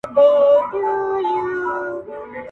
د حاکم تر خزانې پوري به تللې.!